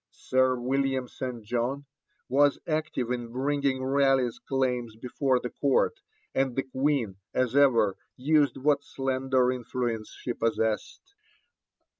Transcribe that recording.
Sir William St. John was active in bringing Raleigh's claims before the Court, and the Queen, as ever, used what slender influence she possessed.